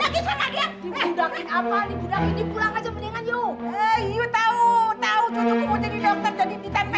jangan jangan jangan